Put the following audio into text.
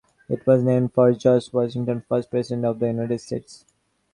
It was named for George Washington, first President of the United States.